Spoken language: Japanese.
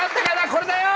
これだよ！